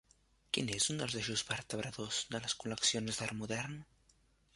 Quin és un dels eixos vertebradors de les col·leccions d'art modern?